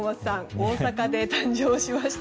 大阪で誕生しました。